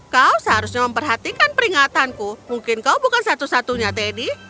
kau seharusnya memperhatikan peringatanku mungkin kau bukan satu satunya teddy